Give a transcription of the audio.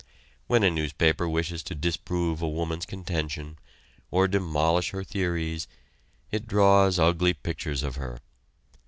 When a newspaper wishes to disprove a woman's contention, or demolish her theories, it draws ugly pictures of her.